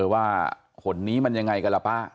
ว่าขนนี้มันอย่างไรกันล่ะป๊า